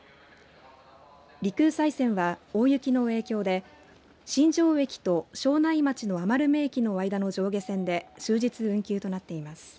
陸羽西線は、大雪の影響で新庄駅と庄内町の余目駅の間の上下線で終日運休となっています。